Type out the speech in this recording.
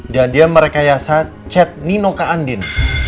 dan dia merekayasa chat nino ke andin